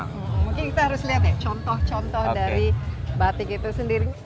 mungkin kita harus lihat ya contoh contoh dari batik itu sendiri